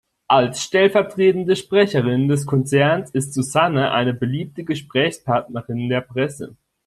Als stellvertretende Sprecherin des Konzerns ist Susanne eine beliebte Gesprächspartnerin der Presse.